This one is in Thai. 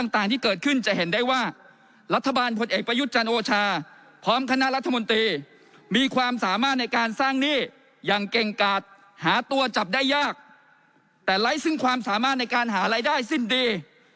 ตัวจับได้ยากแต่ไร้ซึ่งความสามารถในการหารายได้สิ้นดี